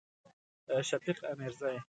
شفیق امیرزی